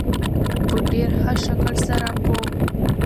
په ډېر ښه شکل سره په